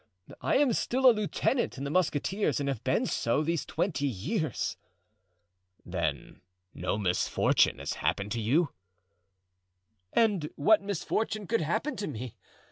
I am still a lieutenant in the musketeers and have been so these twenty years." "Then no misfortune has happened to you?" "And what misfortune could happen to me?